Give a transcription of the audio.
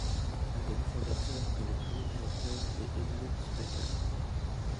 L'un des cofondateurs et le premier directeur est Hellmut Becker.